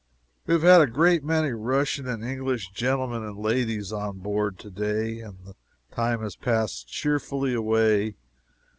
We have had a great many Russian and English gentlemen and ladies on board to day, and the time has passed cheerfully away.